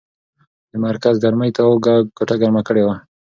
د مرکز ګرمۍ تاو کوټه ګرمه کړې وه.